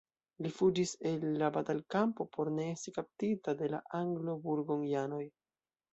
Li fuĝis el la batalkampo por ne esti kaptita de la anglo-burgonjanoj.